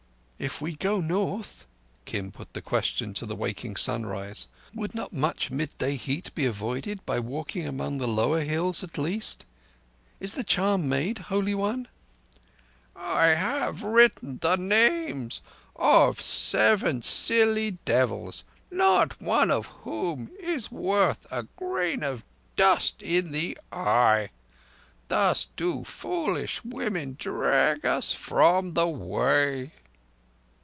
"If we go North,"—Kim put the question to the waking sunrise—"would not much mid day heat be avoided by walking among the lower hills at least? ... Is the charm made, Holy One?" "I have written the names of seven silly devils—not one of whom is worth a grain of dust in the eye. Thus do foolish women drag us from the Way!"